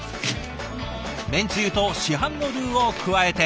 麺つゆと市販のルーを加えて。